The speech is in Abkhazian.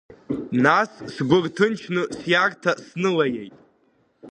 Нас сгәы рҭынчны сиарҭа снылаиеит.